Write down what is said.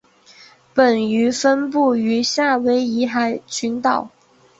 本鱼分布于夏威夷群岛。